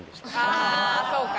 ああそうか。